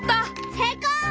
成功！